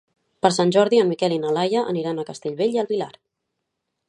Per Sant Jordi en Miquel i na Laia aniran a Castellbell i el Vilar.